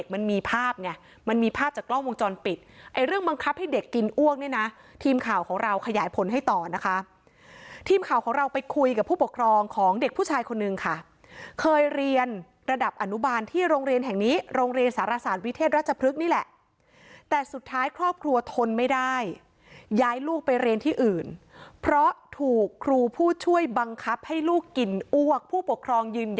มันมีภาพไงมันมีภาพจากกล้องวงจรปิดไอ้เรื่องบังคับให้เด็กกินอ้วกเนี่ยนะทีมข่าวของเราขยายผลให้ต่อนะคะทีมข่าวของเราไปคุยกับผู้ปกครองของเด็กผู้ชายคนนึงค่ะเคยเรียนระดับอนุบาลที่โรงเรียนแห่งนี้โรงเรียนสารศาสตร์วิเทศราชพฤกษ์นี่แหละแต่สุดท้ายครอบครัวทนไม่ได้ย้ายลูกไปเรียนที่อื่นเพราะถูกครูผู้ช่วยบังคับให้ลูกกินอ้วกผู้ปกครองยืน